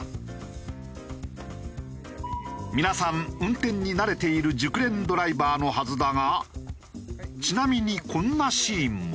皆さん運転に慣れている熟練ドライバーのはずだがちなみにこんなシーンも。